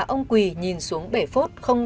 ông quỳ nhìn xuống bể phốt không